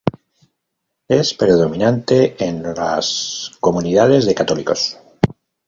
Es predominante en las comunidades de católicos.